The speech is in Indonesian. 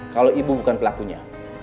kalau ibu bukan pelakunya